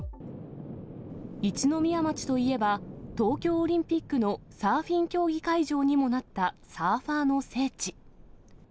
一宮町といえば、東京オリンピックのサーフィン競技会場にもなったサーファーの聖地。